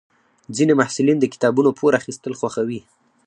ځینې محصلین د کتابونو پور اخیستل خوښوي.